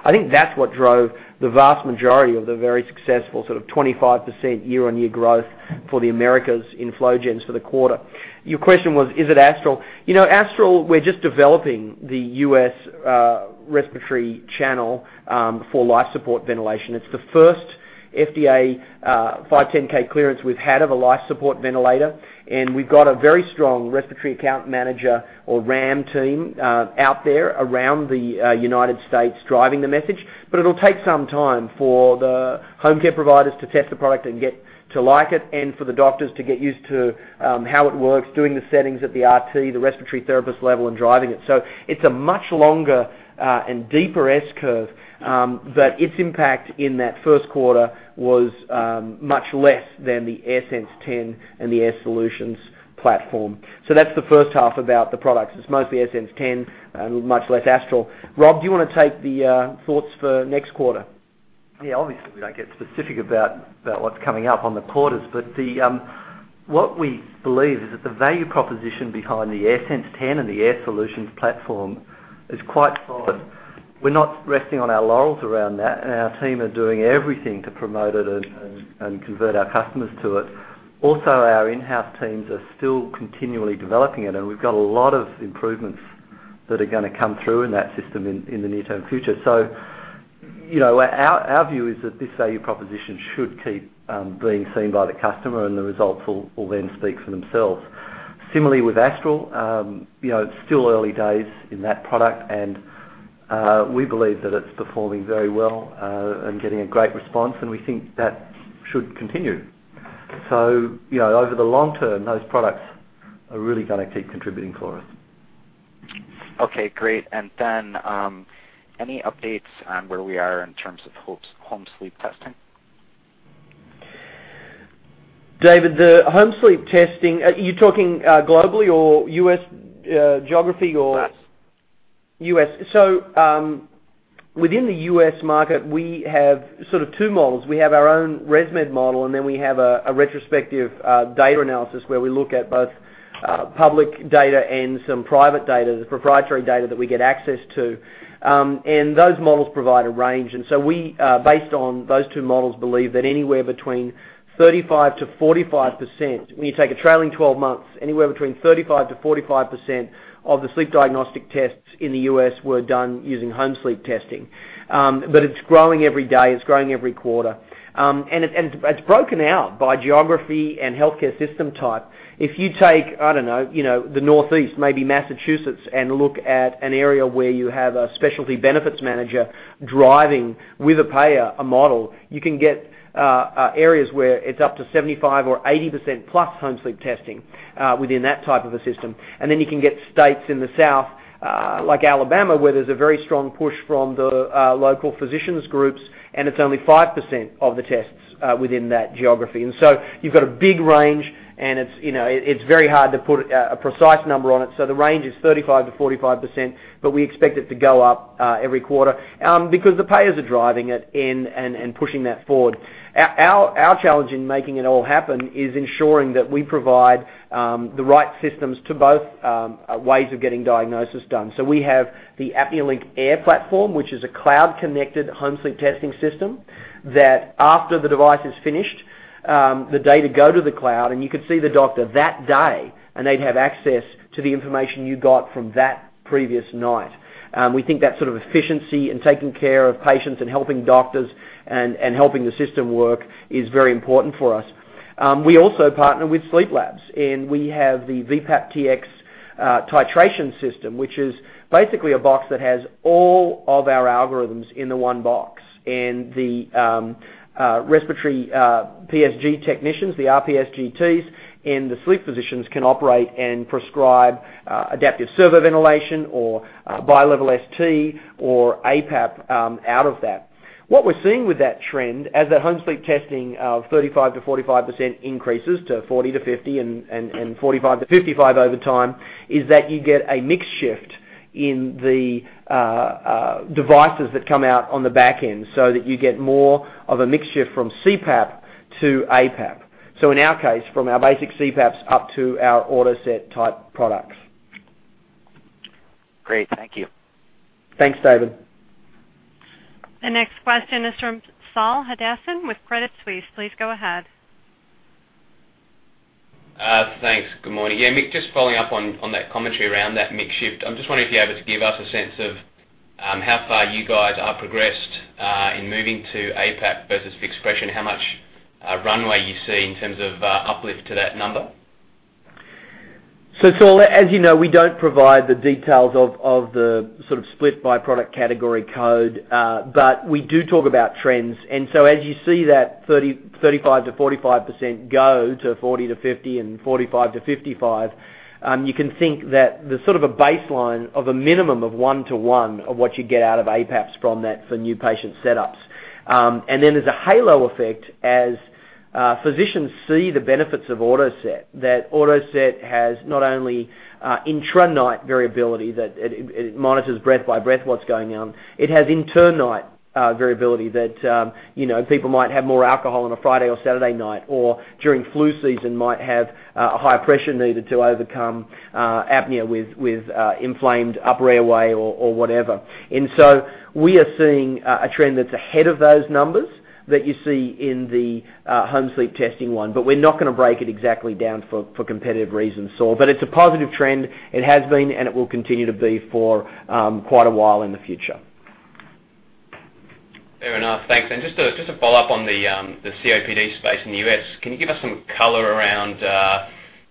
I think that's what drove the vast majority of the very successful sort of 25% year-on-year growth for the Americas in flow gens for the quarter. Your question was, is it Astral? Astral, we're just developing the U.S. respiratory channel, for life support ventilation. It's the first FDA 510 clearance we've had of a life support ventilator, and we've got a very strong respiratory account manager or RAM team out there around the U.S. driving the message. It'll take some time for the home care providers to test the product and get to like it, and for the doctors to get used to how it works, doing the settings at the RT, the respiratory therapist level, and driving it. It's a much longer and deeper S-curve. Its impact in that first quarter was much less than the AirSense 10 and the Air Solutions platform. That's the first half about the products. It's mostly AirSense 10 and much less Astral. Rob, do you want to take the thoughts for next quarter? Obviously, we don't get specific about what's coming up on the quarters. What we believe is that the value proposition behind the AirSense 10 and the Air Solutions platform is quite solid. We're not resting on our laurels around that, and our team are doing everything to promote it and convert our customers to it. Our in-house teams are still continually developing it, and we've got a lot of improvements that are going to come through in that system in the near-term future. Our view is that this value proposition should keep being seen by the customer, and the results will then speak for themselves. Similarly, with Astral, it's still early days in that product and we believe that it's performing very well and getting a great response, and we think that should continue. Over the long term, those products are really going to keep contributing for us. Great. Any updates on where we are in terms of home sleep testing? David, the home sleep testing, are you talking globally or U.S. geography or? US. Within the U.S. market, we have sort of two models. We have our own ResMed model, and then we have a retrospective data analysis where we look at both public data and some private data, the proprietary data that we get access to. Those models provide a range. We, based on those two models, believe that anywhere between 35%-45%, when you take a trailing 12 months, anywhere between 35%-45% of the sleep diagnostic tests in the U.S. were done using home sleep testing. It's growing every day. It's growing every quarter. It's broken out by geography and healthcare system type. If you take, I don't know, the Northeast, maybe Massachusetts, and look at an area where you have a specialty benefits manager driving with a payer, a model, you can get areas where it's up to 75% or 80% plus home sleep testing within that type of a system. You can get states in the South, like Alabama, where there's a very strong push from the local physicians' groups, and it's only 5% of the tests within that geography. You've got a big range, and it's very hard to put a precise number on it. The range is 35%-45%, we expect it to go up every quarter because the payers are driving it and pushing that forward. Our challenge in making it all happen is ensuring that we provide the right systems to both ways of getting diagnosis done. We have the ApneaLink Air platform, which is a cloud-connected home sleep testing system, that after the device is finished. The data go to the cloud, and you could see the doctor that day, and they'd have access to the information you got from that previous night. We think that sort of efficiency in taking care of patients and helping doctors and helping the system work is very important for us. We also partner with sleep labs, and we have the VPAP Tx titration system, which is basically a box that has all of our algorithms in the one box. The respiratory PSG technicians, the RPSGTs, and the sleep physicians can operate and prescribe adaptive servo-ventilation or bi-level ST or APAP out of that. What we're seeing with that trend, as that home sleep testing of 35%-45% increases to 40%-50% and 45%-55% over time, is that you get a mix shift in the devices that come out on the back end, so that you get more of a mix shift from CPAP to APAP. In our case, from our basic CPAPs up to our AutoSet-type products. Great. Thank you. Thanks, David. The next question is from Saul Hadassin with Credit Suisse. Please go ahead. Thanks. Good morning. Yeah, Mick, just following up on that commentary around that mix shift. I'm just wondering if you're able to give us a sense of how far you guys are progressed in moving to APAP versus fixed pressure, and how much runway you see in terms of uplift to that number? Saul, as you know, we don't provide the details of the sort of split by product category code, but we do talk about trends. As you see that 35%-45% go to 40%-50% and 45%-55%, you can think that there's sort of a baseline of a minimum of one to one of what you get out of APAPs from that for new patient setups. Then there's a halo effect as physicians see the benefits of AutoSet. That AutoSet has not only intra-night variability, that it monitors breath by breath what's going on. It has inter-night variability that people might have more alcohol on a Friday or Saturday night, or during flu season might have a higher pressure needed to overcome apnea with inflamed upper airway or whatever. We are seeing a trend that's ahead of those numbers that you see in the home sleep testing one. But we're not going to break it exactly down for competitive reasons, Saul. But it's a positive trend. It has been, and it will continue to be for quite a while in the future. Fair enough. Thanks. Just to follow up on the COPD space in the U.S., can you give us some color around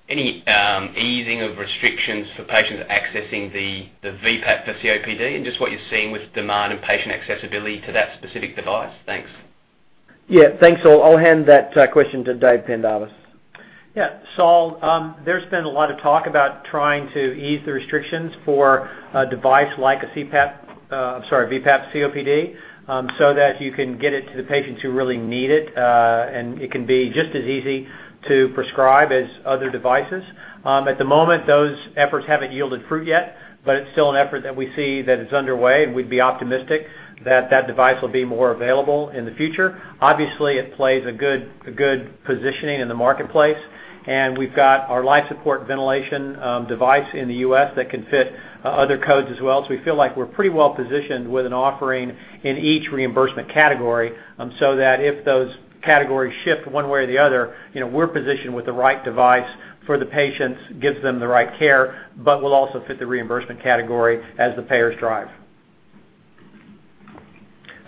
any easing of restrictions for patients accessing the VPAP for COPD and just what you're seeing with demand and patient accessibility to that specific device? Thanks. Thanks, Saul. I'll hand that question to David Pendarvis. Saul, there's been a lot of talk about trying to ease the restrictions for a device like a VPAP COPD, that you can get it to the patients who really need it, and it can be just as easy to prescribe as other devices. At the moment, those efforts haven't yielded fruit yet, it's still an effort that we see that is underway, and we'd be optimistic that that device will be more available in the future. Obviously, it plays a good positioning in the marketplace. We've got our life support ventilation device in the U.S. that can fit other codes as well. We feel like we're pretty well positioned with an offering in each reimbursement category, that if those categories shift one way or the other, we're positioned with the right device for the patients, gives them the right care, will also fit the reimbursement category as the payers drive.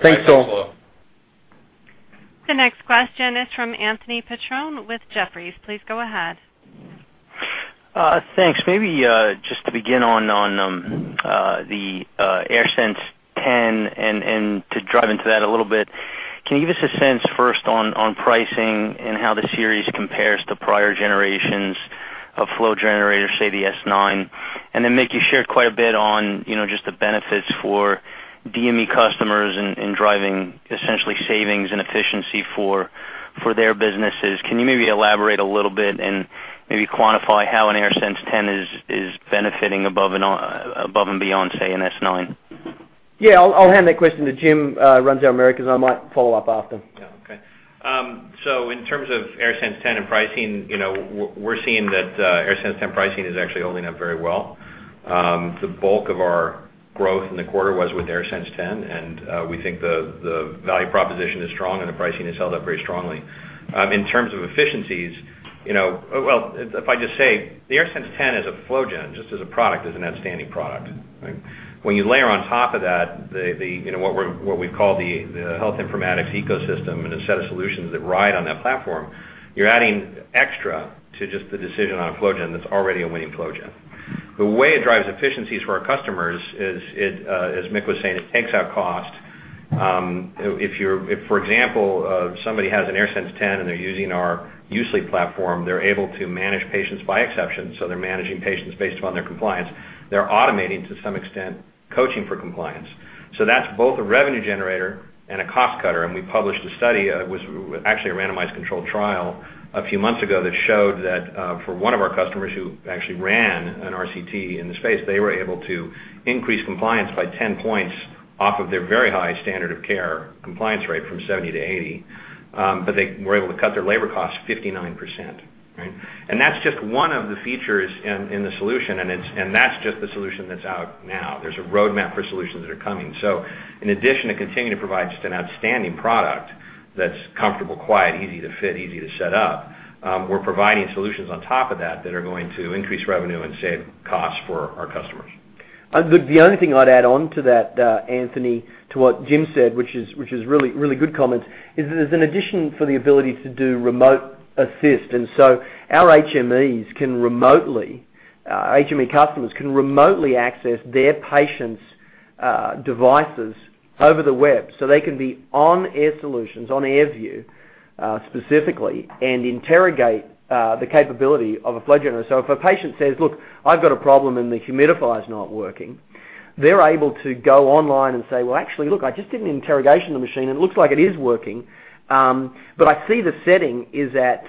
Thanks, Saul. Thanks, Saul. The next question is from Anthony Petrone with Jefferies. Please go ahead. Thanks. Maybe just to begin on the AirSense 10 and to drive into that a little bit. Can you give us a sense first on pricing and how the series compares to prior generations of flow generators, say, the S9? Then Mick, you shared quite a bit on just the benefits for DME customers in driving essentially savings and efficiency for their businesses. Can you maybe elaborate a little bit and maybe quantify how an AirSense 10 is benefiting above and beyond, say, an S9? Yeah. I'll hand that question to Jim, runs our Americas. I might follow up after. Yeah. Okay. In terms of AirSense 10 and pricing, we're seeing that AirSense 10 pricing is actually holding up very well. The bulk of our growth in the quarter was with AirSense 10, and we think the value proposition is strong, and the pricing has held up very strongly. In terms of efficiencies, well, if I just say the AirSense 10 as a FlowGen, just as a product, is an outstanding product, right? When you layer on top of that what we call the health informatics ecosystem and a set of solutions that ride on that platform, you're adding extra to just the decision on a FlowGen that's already a winning FlowGen. The way it drives efficiencies for our customers is, as Mick was saying, it takes out cost. If, for example, somebody has an AirSense 10 and they're using our U-Sleep platform, they're able to manage patients by exception. They're managing patients based on their compliance. They're automating, to some extent, coaching for compliance. That's both a revenue generator and a cost cutter. We published a study, it was actually a randomized controlled trial, a few months ago that showed that for one of our customers who actually ran an RCT in the space, they were able to increase compliance by 10 points off of their very high standard of care compliance rate from 70 to 80. They were able to cut their labor costs 59%. Right? That's just one of the features in the solution, and that's just the solution that's out now. There's a roadmap for solutions that are coming. In addition to continuing to provide just an outstanding product that's comfortable, quiet, easy to fit, easy to set up, we're providing solutions on top of that that are going to increase revenue and save costs for our customers. The only thing I'd add on to that, Anthony, to what Jim said, which is a really good comment, is that there's an addition for the ability to do remote assist. Our HMEs can remotely, HME customers can remotely access their patients' devices over the web, so they can be on Air Solutions, on AirView, specifically, and interrogate the capability of a flow generator. If a patient says, "Look, I've got a problem and the humidifier is not working," they're able to go online and say, "Well, actually, look, I just did an interrogation of the machine, and it looks like it is working. But I see the setting is at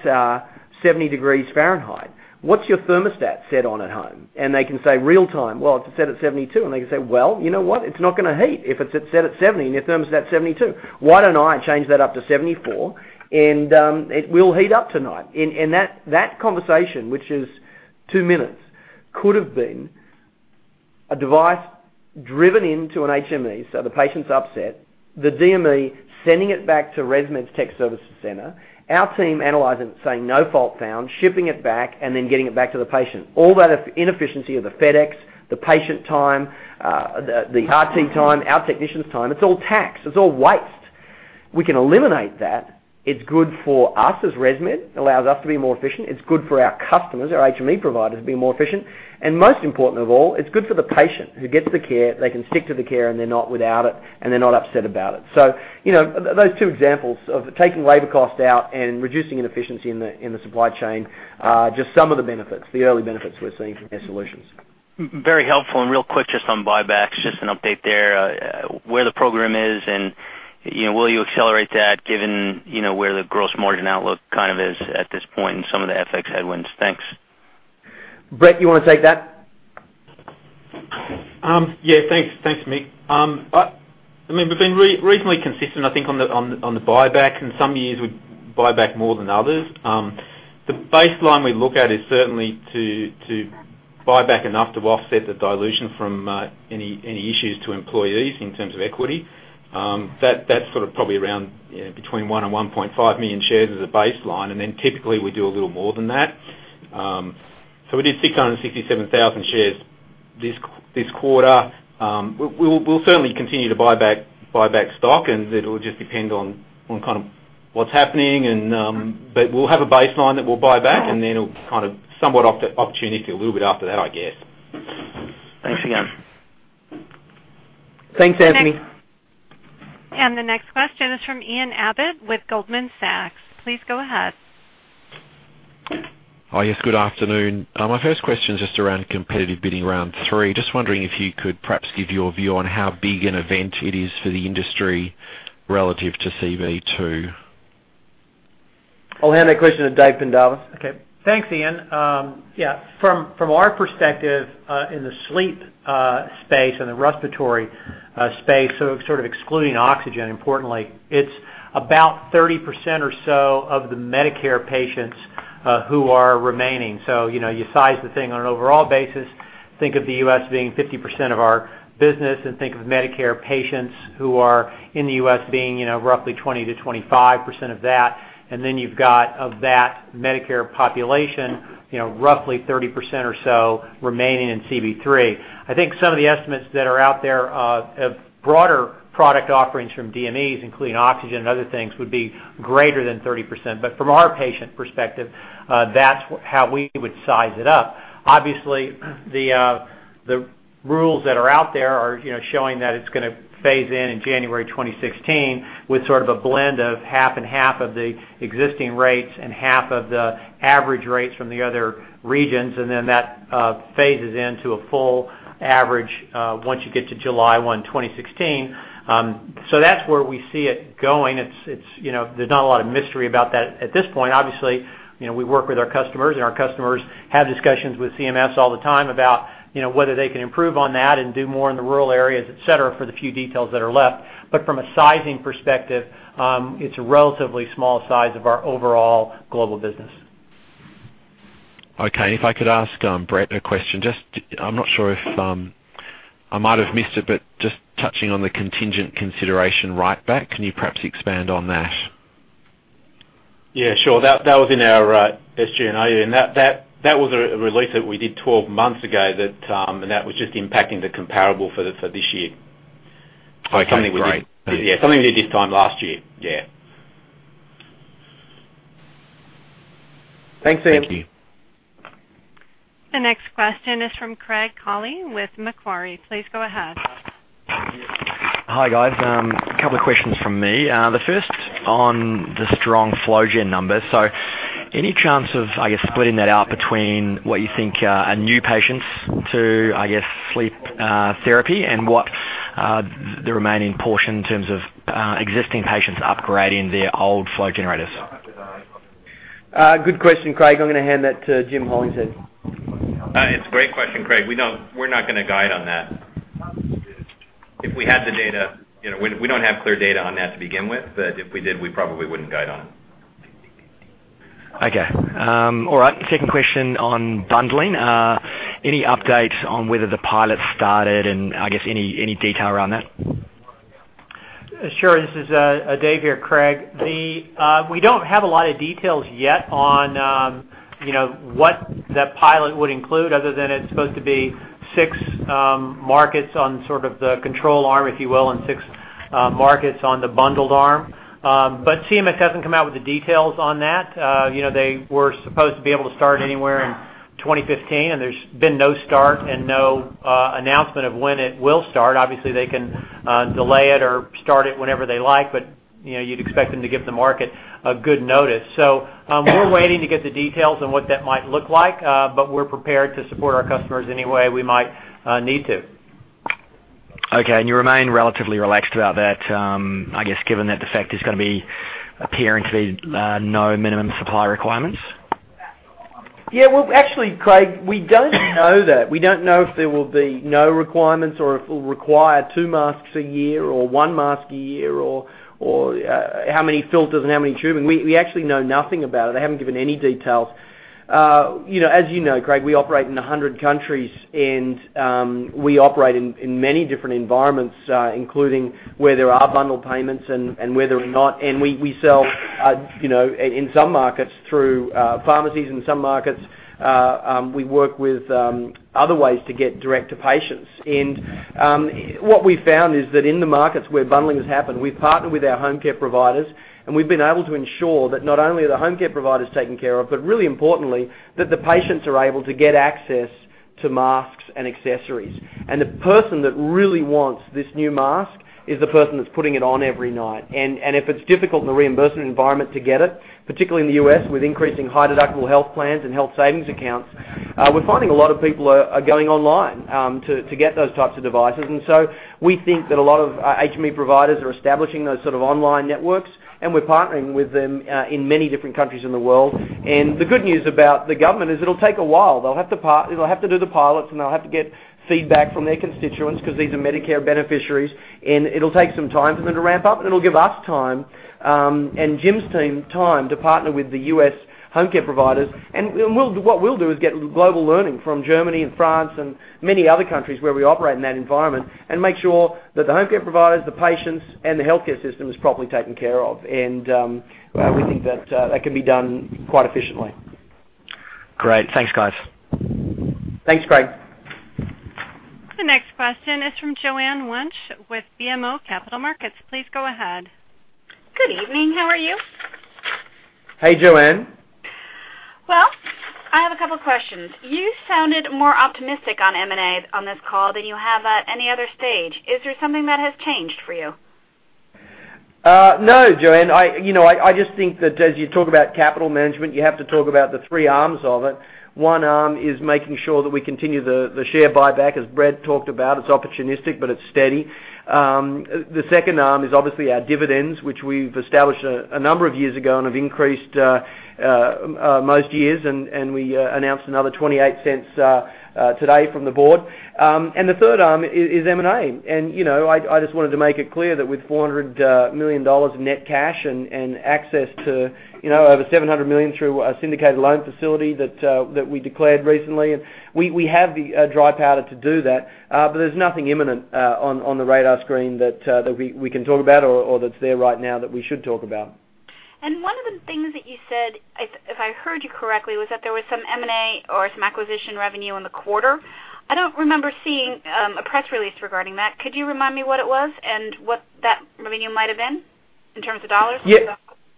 70 degrees Fahrenheit. What's your thermostat set on at home?" They can say real time, "Well, it's set at 72." They can say, "Well, you know what? It's not going to heat if it's set at 70 and your thermostat's 72. Why don't I change that up to 74, and it will heat up tonight." That conversation, which is two minutes, could have been a device driven into an HME, so the patient's upset. The DME, sending it back to ResMed's tech services center, our team analyzing it, saying, "No fault found," shipping it back, and then getting it back to the patient. All that inefficiency of the FedEx, the patient time, the RT time, our technician's time, it's all tax. It's all waste. We can eliminate that. It's good for us as ResMed. It allows us to be more efficient. It's good for our customers, our HME providers, to be more efficient. Most important of all, it's good for the patient who gets the care. They can stick to the care, and they're not without it, and they're not upset about it. Those two examples of taking labor cost out and reducing inefficiency in the supply chain are just some of the benefits, the early benefits we're seeing from Air Solutions. Very helpful. Real quick, just on buybacks, just an update there. Where the program is, and will you accelerate that given where the gross margin outlook kind of is at this point and some of the FX headwinds? Thanks. Brett, you want to take that? Thanks, Mick. We've been reasonably consistent, I think, on the buyback. In some years, we buy back more than others. The baseline we look at is certainly to buy back enough to offset the dilution from any issues to employees in terms of equity. That's sort of, probably around between 1 and 1.5 million shares as a baseline. Typically, we do a little more than that. We did 667,000 shares this quarter. We'll certainly continue to buy back stock, and it'll just depend on what's happening. We'll have a baseline that we'll buy back, and then it'll kind of somewhat opportunity a little bit after that, I guess. Thanks again. Thanks, Anthony. The next question is from Ian Abbott with Goldman Sachs. Please go ahead. Hi. Yes, good afternoon. My first question is just around competitive bidding round 3. Just wondering if you could perhaps give your view on how big an event it is for the industry relative to CB2. I'll hand that question to Dave Pendarvis. Okay. Thanks, Ian. From our perspective, in the sleep space and the respiratory space, so sort of excluding oxygen, importantly, it's about 30% or so of the Medicare patients who are remaining. You size the thing on an overall basis, think of the U.S. being 50% of our business, and think of Medicare patients who are in the U.S. being roughly 20%-25% of that. And then you've got, of that Medicare population, roughly 30% or so remaining in CB3. I think some of the estimates that are out there of broader product offerings from DMEs, including oxygen and other things would be greater than 30%. From our patient perspective, that's how we would size it up. Obviously, the rules that are out there are showing that it's going to phase in in January 2016, with sort of a blend of half and half of the existing rates and half of the average rates from the other regions. That phases into a full average once you get to July 1, 2016. That's where we see it going. There's not a lot of mystery about that at this point. Obviously, we work with our customers, and our customers have discussions with CMS all the time about whether they can improve on that and do more in the rural areas, et cetera, for the few details that are left. From a sizing perspective, it's a relatively small size of our overall global business. Okay. If I could ask Brett Sandercock a question. I'm not sure, I might have missed it, just touching on the contingent consideration right back, can you perhaps expand on that? Yeah, sure. That was in our SG&A, and that was a release that we did 12 months ago, and that was just impacting the comparable for this year. Okay, great. Yeah, something we did this time last year. Yeah. Thanks, Ian. Thank you. The next question is from Craig Collie with Macquarie. Please go ahead. Hi, guys. A couple of questions from me. The first on the strong FlowGen numbers. Any chance of, I guess, splitting that out between what you think are new patients to sleep therapy and what the remaining portion in terms of existing patients upgrading their old flow generators? Good question, Craig. I'm going to hand that to Jim Hollingshead. It's a great question, Craig. We're not going to guide on that. If we had the data, we don't have clear data on that to begin with, but if we did, we probably wouldn't guide on it. Okay. All right. Second question on bundling. Any updates on whether the pilot's started and, I guess, any detail around that? Sure. This is Dave here, Craig. We don't have a lot of details yet on what that pilot would include, other than it's supposed to be six markets on sort of the control arm, if you will, and six markets on the bundled arm. CMS hasn't come out with the details on that. They were supposed to be able to start anywhere in 2015, and there's been no start and no announcement of when it will start. Obviously, they can delay it or start it whenever they like, but you'd expect them to give the market a good notice. We're waiting to get the details on what that might look like, but we're prepared to support our customers any way we might need to. Okay. You remain relatively relaxed about that, I guess, given that the fact there's going to be appearing to be no minimum supply requirements? Well, actually, Craig, we don't know that. We don't know if there will be no requirements or if it'll require two masks a year or one mask a year or how many filters and how many tubing. We actually know nothing about it. They haven't given any details. As you know, Craig, we operate in 100 countries, we operate in many different environments, including where there are bundled payments and whether or not. We sell, in some markets, through pharmacies, in some markets, we work with other ways to get direct to patients. What we've found is that in the markets where bundling has happened, we've partnered with our home care providers, we've been able to ensure that not only are the home care providers taken care of, but really importantly, that the patients are able to get access to masks and accessories. The person that really wants this new mask is the person that's putting it on every night. If it's difficult in the reimbursement environment to get it, particularly in the U.S. with increasing high deductible health plans and health savings accounts, we're finding a lot of people are going online to get those types of devices. We think that a lot of HME providers are establishing those sort of online networks, we're partnering with them in many different countries in the world. The good news about the government is it'll take a while. They'll have to do the pilots, they'll have to get feedback from their constituents because these are Medicare beneficiaries. It'll take some time for them to ramp up, it'll give us time, Jim's team, time to partner with the U.S. home care providers. What we'll do is get global learning from Germany and France and many other countries where we operate in that environment and make sure that the home care providers, the patients, and the healthcare system is properly taken care of. We think that that can be done quite efficiently. Great. Thanks, guys. Thanks, Craig. The next question is from Joanne Wuensch with BMO Capital Markets. Please go ahead. Good evening. How are you? Hey, Joanne. Well, I have a couple questions. You sounded more optimistic on M&A on this call than you have at any other stage. Is there something that has changed for you? No, Joanne. I just think that as you talk about capital management, you have to talk about the three arms of it. One arm is making sure that we continue the share buyback, as Brett talked about. It's opportunistic, but it's steady. The second arm is obviously our dividends, which we've established a number of years ago and have increased most years, and we announced another $0.28 today from the board. The third arm is M&A. I just wanted to make it clear that with $400 million in net cash and access to over $700 million through a syndicated loan facility that we declared recently, we have the dry powder to do that. There's nothing imminent on the radar screen that we can talk about or that's there right now that we should talk about. One of the things that you said, if I heard you correctly, was that there was some M&A or some acquisition revenue in the quarter. I don't remember seeing a press release regarding that. Could you remind me what it was and what that revenue might have been in terms of dollars?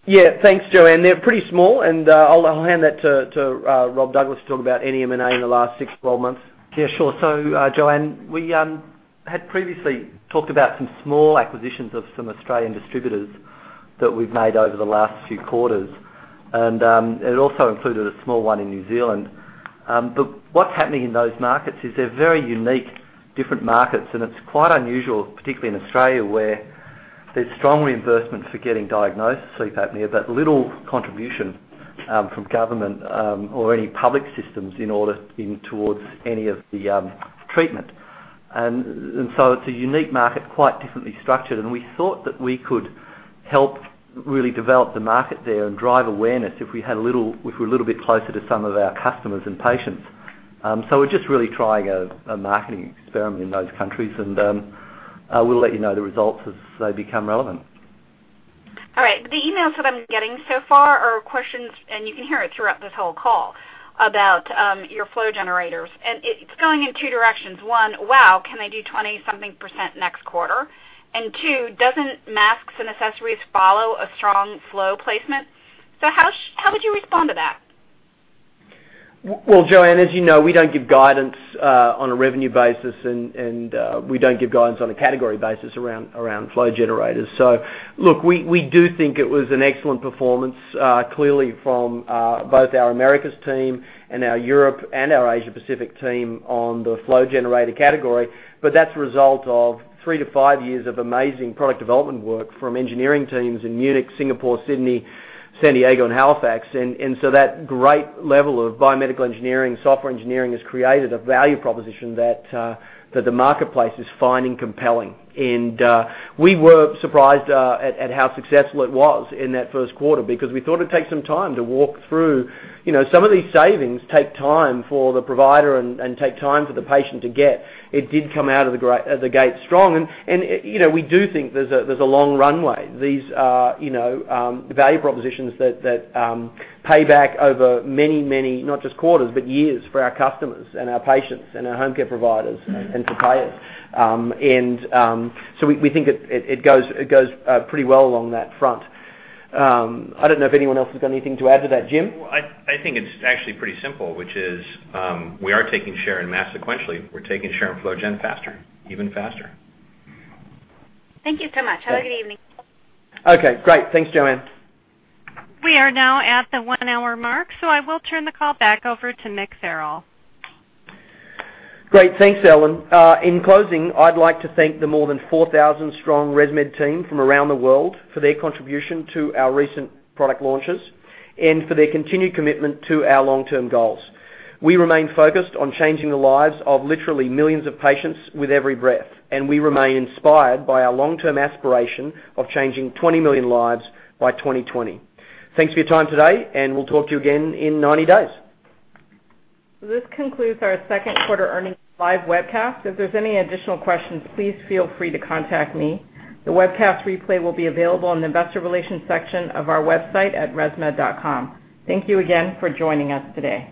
Yeah. Thanks, Joanne. They're pretty small, and I'll hand that to Robert Douglas to talk about any M&A in the last six, 12 months. Joanne, we had previously talked about some small acquisitions of some Australian distributors that we've made over the last few quarters, and it also included a small one in New Zealand. What's happening in those markets is they're very unique, different markets, and it's quite unusual, particularly in Australia, where there's strong reimbursement for getting diagnosed sleep apnea, but little contribution from government or any public systems towards any of the treatment. It's a unique market, quite differently structured, and we thought that we could help really develop the market there and drive awareness if we're a little bit closer to some of our customers and patients. We're just really trying a marketing experiment in those countries, and we'll let you know the results as they become relevant. All right. The emails that I'm getting so far are questions, you can hear it throughout this whole call, about your flow generators. It's going in two directions: One, "Wow, can they do 20-something% next quarter?" And two, "Doesn't masks and accessories follow a strong flow placement?" How would you respond to that? Well, Joanne, as you know, we don't give guidance on a revenue basis, we don't give guidance on a category basis around flow generators. We do think it was an excellent performance, clearly from both our Americas team and our Europe and our Asia Pacific team on the flow generator category. That's a result of three to five years of amazing product development work from engineering teams in Munich, Singapore, Sydney, San Diego, and Halifax. That great level of biomedical engineering, software engineering, has created a value proposition that the marketplace is finding compelling. We were surprised at how successful it was in that first quarter because we thought it'd take some time to walk through. Some of these savings take time for the provider and take time for the patient to get. It did come out of the gate strong, we do think there's a long runway. These are value propositions that pay back over many, many, not just quarters, but years for our customers and our patients and our home care providers and suppliers. We think it goes pretty well along that front. I don't know if anyone else has got anything to add to that. Jim? I think it's actually pretty simple, which is we are taking share in masks sequentially. We're taking share in flow gen faster, even faster. Thank you so much. Have a good evening. Okay, great. Thanks, Joanne. We are now at the one-hour mark. I will turn the call back over to Mick Farrell. Great. Thanks, Ellen. In closing, I'd like to thank the more than 4,000-strong ResMed team from around the world for their contribution to our recent product launches and for their continued commitment to our long-term goals. We remain focused on changing the lives of literally millions of patients with every breath, and we remain inspired by our long-term aspiration of changing 20 million lives by 2020. Thanks for your time today, and we'll talk to you again in 90 days. This concludes our second quarter earnings live webcast. If there's any additional questions, please feel free to contact me. The webcast replay will be available in the investor relations section of our website at ResMed.com. Thank you again for joining us today.